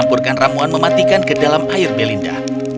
matikan ke dalam air belinda